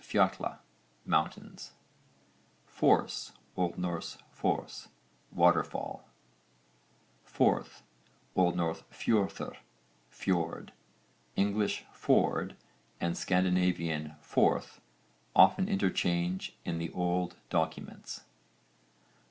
fjall, mountain. FORCE. O.N. fors, waterfall. FORTH. O.N. fjorðr, fjord. English ford and Scandinavian forth often interchange in the old documents.